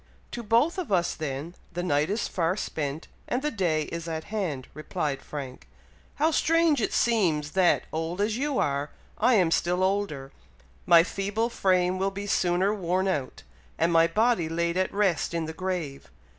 "To both of us, then, the night is far spent, and the day is at hand," replied Frank "How strange it seems, that, old as you are. I am still older; my feeble frame will be sooner worn out, and my body laid at rest in the grave!